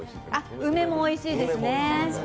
梅もおいしいですね。